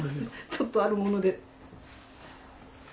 ちょっとあるもので。